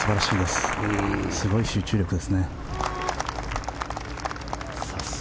すごい集中力です。